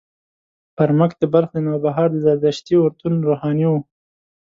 برمک د بلخ د نوبهار د زردشتي اورتون روحاني و.